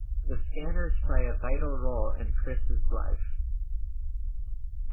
The scanners play a vital role in Chris' life.